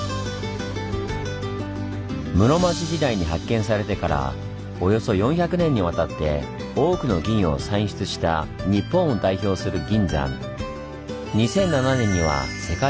室町時代に発見されてからおよそ４００年にわたって多くの銀を産出した日本を代表する銀山。